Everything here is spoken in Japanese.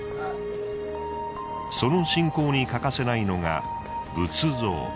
その信仰に欠かせないのが仏像。